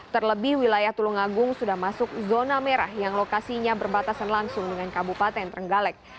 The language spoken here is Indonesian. terlebih wilayah tulungagung sudah masuk zona merah yang lokasinya berbatasan langsung dengan kabupaten trenggalek